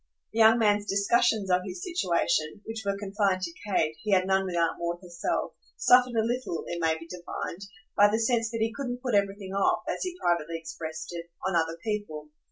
The young man's discussions of his situation which were confined to Kate; he had none with Aunt Maud herself suffered a little, it may be divined, by the sense that he couldn't put everything off, as he privately expressed it, on other people.